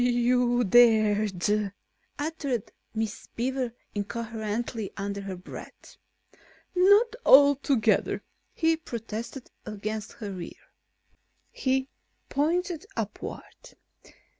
"You you dared!" uttered Miss Beaver incoherently under her breath. "Not altogether," he protested against her ear. He pointed upward.